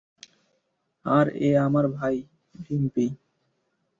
আর এ আমার ভাই, ডিম্পি।